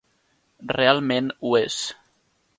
Realment ho és.